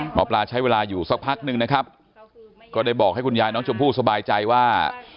หมอปลาใช้เวลาอยู่สักพักนึงนะครับก็ได้บอกให้คุณยายน้องชมพู่สบายใจว่า